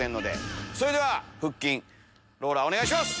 それでは腹筋ローラーお願いします。